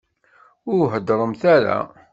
Ur heddṛem ara!